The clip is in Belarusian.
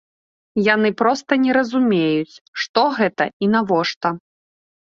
Яны проста не разумеюць, што гэта і навошта.